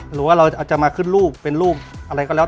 หรือว่าเราจะมาขึ้นรูปเป็นรูปอะไรก็แล้ว